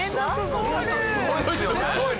この人すごいな！